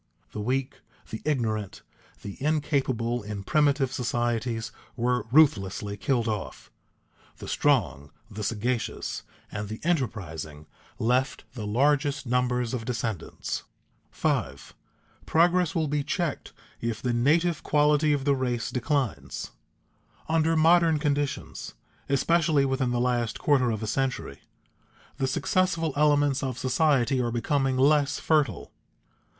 The weak, the ignorant, the incapable in primitive societies were ruthlessly killed off. The strong, the sagacious, and the enterprising left the largest numbers of descendants. [Sidenote: Decrease of the successful elements] 5. Progress will be checked if the native quality of the race declines. Under modern conditions, especially within the last quarter of a century, the successful elements of society are becoming less fertile.